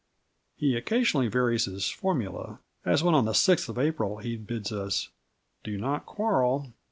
He occasionally varies his formula, as when on the 6th of April he bids us: "Do not quarrel.